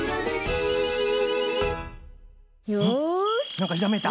なんかひらめいた？